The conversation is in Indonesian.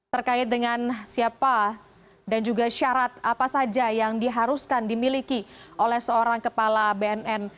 terkait dengan siapa dan juga syarat apa saja yang diharuskan dimiliki oleh seorang kepala bnn